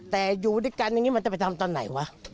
แต่อยู่ด้วยกันอย่างนี้มันจะไปทำตอนไหนวะ